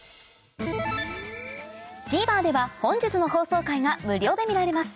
ＴＶｅｒでは本日の放送回が無料で見られます